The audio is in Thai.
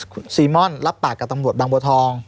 คุณซีม่อนรับปากกับตำรวจบางบัวทอง